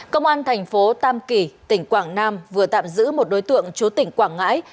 công an thành phố tam kỳ tỉnh quảng nam vừa tạm giữ một đối tượng chúa tỉnh quảng ngãi